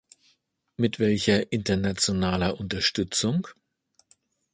Mit welcher internationaler Unterstützung?